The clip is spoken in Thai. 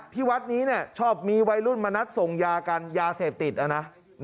ที่วัดนี้เนี่ยชอบมีวัยรุ่นมานัดส่งยากันยาเสพติดนะ